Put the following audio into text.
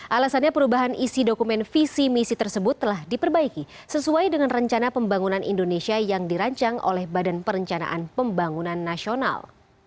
alasannya perubahan isi dokumen visi misi tersebut telah diperbaiki sesuai dengan rencana pembangunan indonesia yang dirancang oleh badan perencanaan pembangunan nasional